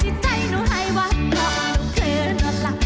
หนูไม่ยอมหนูไม่ยอมรีบขวาพื้น